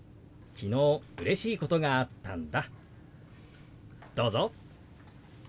昨日うれしいことがあったんだ。